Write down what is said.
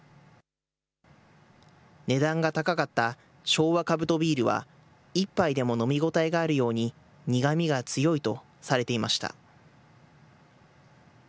値段が高かった昭和カブトビールは、１杯でも飲み応えがあるように、苦みが強いとされていました。